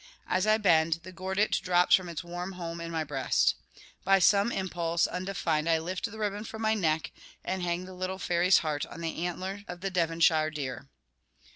As I bend, the gordit drops from its warm home in my breast. By some impulse undefined I lift the ribbon from my neck, and hang the little fairy's heart on the antlers of the Devonshire deer.